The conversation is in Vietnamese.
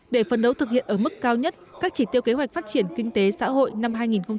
để phân đấu thực hiện ở mức cao nhất các chỉ tiêu kế hoạch phát triển kinh tế xã hội năm hai nghìn hai mươi